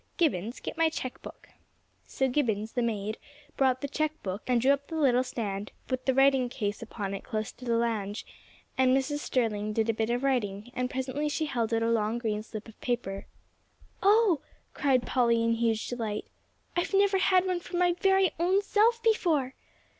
Gibbons, get my check book." So Gibbons, the maid, brought the check book, and drew up the little stand with the writing case upon it close to the lounge, and Mrs. Sterling did a bit of writing; and presently she held out a long green slip of paper. "Oh!" cried Polly, in huge delight, "I've never had one for my very own self before."